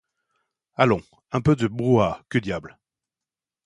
Allons, un peu de brouhaha, que diable!